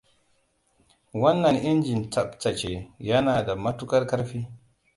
Wannan injin tsabtace yana da matukar ƙarfi.